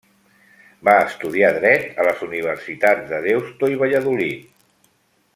Va estudiar Dret a les universitats de Deusto i Valladolid.